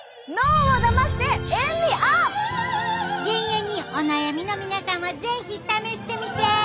減塩にお悩みの皆さんは是非試してみて！